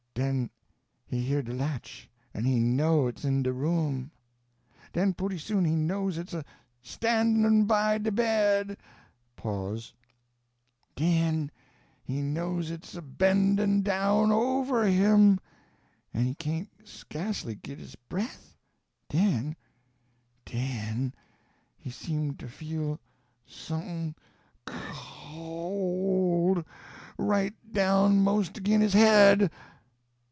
_ Den he hear de latch, en he _know _it's in de room! Den pooty soon he know it's a stannin' by de bed! Den he know it's a bendin' down over him en he cain't skasely git his breath! Den den he seem to feel someth'n' c o l d, right down 'most agin his head!